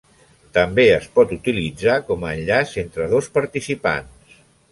També es pot utilitzar com a enllaç entre dos participants.